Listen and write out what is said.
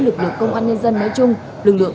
lực lượng công an nhân dân nói chung lực lượng